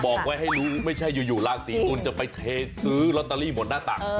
บอกไว้ให้รู้ไม่ใช่อยู่ราศีตุลจะไปเทซื้อลอตเตอรี่หมดหน้าต่าง